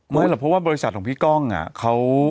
ไม่ว่าเพราะว่าบริษัทของพี่ก้องอะ